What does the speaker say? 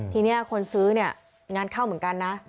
ทีนี้คนซื้อเนี่ยงานเข้าเหมือนกันนะ